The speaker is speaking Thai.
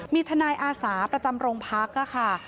มีทนายอาสาประจำโรงพักค่ะ